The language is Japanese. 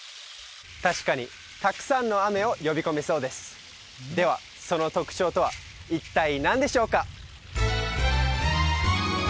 確かにたくさんの雨を呼び込みそうですではその特徴とは一体何でしょうか？